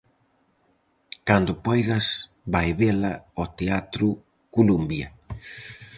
Cando poidas vai vela ao teatro Columbia.